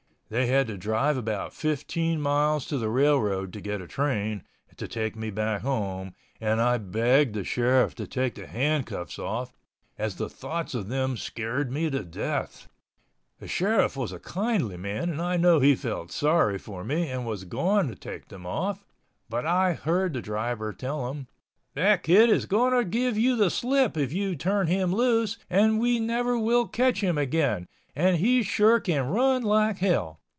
They had to drive about 15 miles to the railroad to get a train to take me back home and I begged the sheriff to take the handcuffs off, as the thoughts of them scared me to death. The sheriff was a kindly man and I know he felt sorry for me and was going to take them off—but I heard the driver tell him, "That kid is going to give you the slip if you turn him loose and we never will catch him again, and he sure can run like hell."